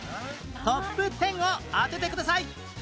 トップ１０を当ててください